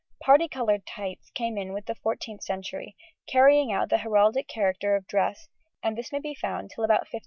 Parti coloured tights came in with the 14th century, carrying out the heraldic character of dress, and this may be found till about 1530.